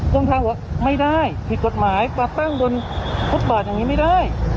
ทางบอกไม่ได้ผิดกฎหมายมาตั้งบนฟุตบาทอย่างนี้ไม่ได้